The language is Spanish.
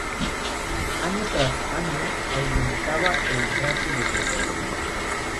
Año tras año aumentaba el ratio de perforaciones.